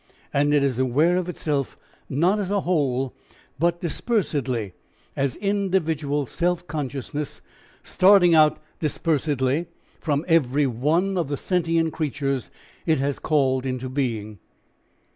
And it is aware of itself not as a whole, but dispersedly as individual self consciousness, starting out dispersedly from every one of the sentient creatures it has called into being.